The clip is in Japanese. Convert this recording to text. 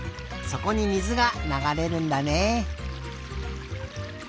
そこに水がながれるんだね。